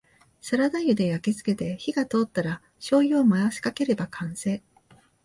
サラダ油で焼きつけて火が通ったらしょうゆを回しかければ完成